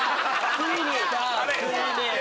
ついに。